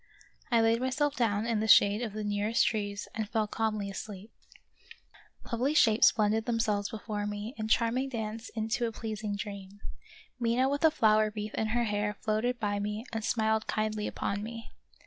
I laid myself down in the shade of the nearest trees and fell calmly asleep. Lovely shapes blended themselves before me in charming dance into a pleasing dream. Mina with a flower wreath in her hair floated by me and smiled kindly upon me.